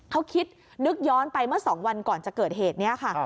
เขาคิดนึกย้อนไปเมื่อ๒วันก่อนจะเกิดเหตุนี้ค่ะ